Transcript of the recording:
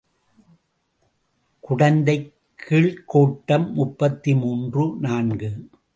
குடந்தைக் கீழ்க் கோட்டம் முப்பத்து மூன்று நான்கு.